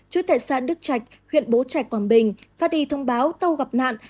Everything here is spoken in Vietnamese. chú tại xã đức trạch huyện bố trạch quảng bình phát đi thông báo tàu gặp nạn